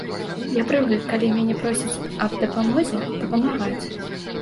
Я прывык калі мяне просяць аб дапамозе, дапамагаць.